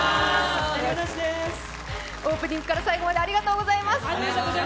オープニングから最後までありがとうございました。